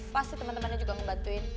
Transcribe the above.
pasti temen temennya juga ngebantuin